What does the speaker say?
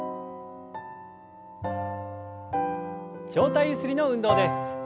上体ゆすりの運動です。